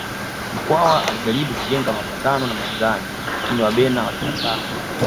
Mkwawa alijaribu kujenga mapatano na majirani lakini Wabena walikataa